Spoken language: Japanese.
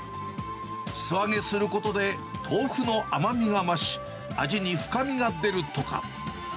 素揚げすることで、豆腐の甘みが増し、味に深みが出るとか。